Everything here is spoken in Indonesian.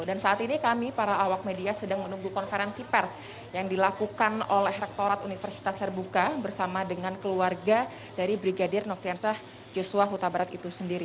dan saat ini kami para awak media sedang menunggu konferensi pers yang dilakukan oleh rektorat universitas terbuka bersama dengan keluarga dari brigadir noktiansah joshua huta barat itu sendiri